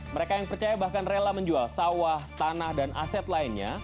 mereka yang percaya bahkan rela menjual sawah tanah dan aset lainnya